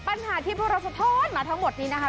ปัญหาที่พวกเราสะท้อนมาทั้งหมดนี้นะคะ